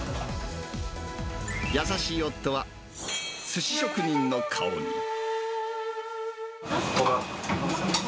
優しい夫は、すし職人の顔に。